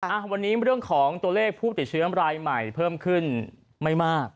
อ่ะวันนี้เรื่องของตัวเลขผู้ติดเชื้อรายใหม่เพิ่มขึ้นไม่มาก